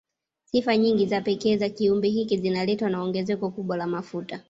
Sifa nyingi za pekee za kiumbe hiki zinaletwa na ongezeko kubwa la mafuta